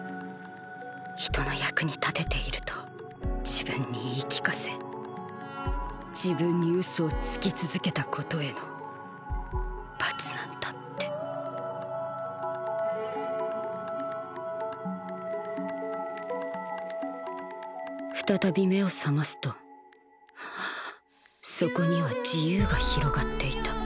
人の役に立てていると自分に言い聞かせ自分に嘘をつき続けたことへの罰なんだって再び目を覚ますとそこには自由が広がっていた。